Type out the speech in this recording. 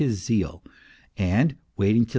s zeal, and wailing till MR.